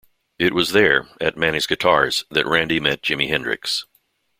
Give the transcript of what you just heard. It was there, at Manny's Guitars, that Randy met Jimi Hendrix.